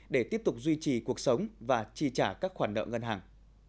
để tiếp tục duy trì cuộc sống và chi trả các khoản nợ ngân hàng